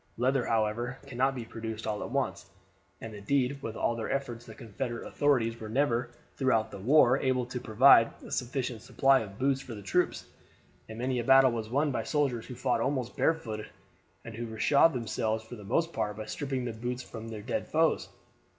Leather, however, cannot be produced all at once, and indeed with all their efforts the Confederate authorities were never throughout the war able to provide a sufficient supply of boots for the troops, and many a battle was won by soldiers who fought almost barefooted and who reshod themselves for the most part by stripping the boots from their dead foes.